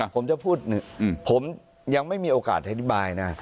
ผมจะพูดผมยังไม่มีโอกาสอธิบายนะ